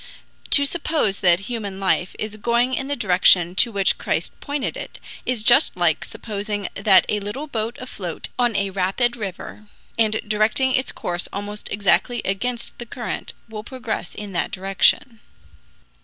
To suppose that human life is going in the direction to which Christ pointed it, is just like supposing that a little boat afloat on a rabid river, and directing its course almost exactly against the current, will progress in that direction.